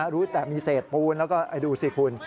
รู้แต่มีเศษปูนแล้วก็ดูสิคุณ